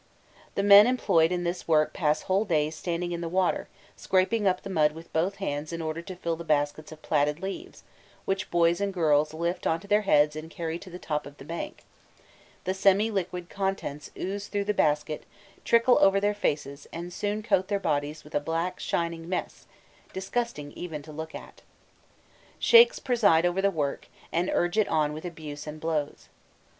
The men employed in this work pass whole days standing in the water, scraping up the mud with both hands in order to fill the baskets of platted leaves, which boys and girls lift on to their heads and carry to the top of the bank: the semi liquid contents ooze through the basket, trickle over their faces and soon coat their bodies with a black shining mess, disgusting even to look at. Sheikhs preside over the work, and urge it on with abuse and blows.